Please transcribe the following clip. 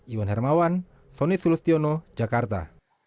iwan hermawan soni sulustiono jakarta